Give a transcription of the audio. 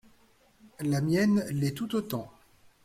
La mienne l’est tout autant.